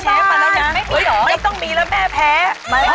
จะต้องมีแล้วแม่แพ้